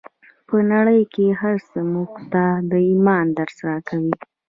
په نړۍ کې هر څه موږ ته د ایمان درس راکوي